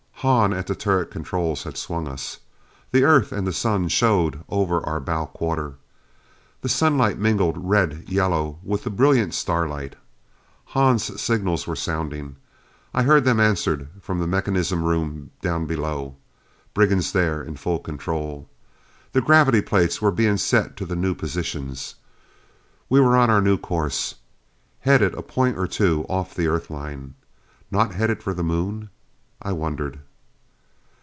Hahn at the turret controls had swung us. The Earth and the Sun showed over our bow quarter. The sunlight mingled red yellow with the brilliant starlight. Hahn's signals were sounding; I heard them answered from the mechanism rooms down below. Brigands there in full control. The gravity plates were being set to the new positions: We were on our new course. Headed a point or two off the Earthline. Not headed for the Moon? I wondered.